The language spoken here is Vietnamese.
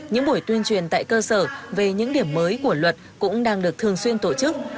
những buổi tuyên truyền tại cơ sở về những điểm mới của luật cũng đang được thường xuyên tổ chức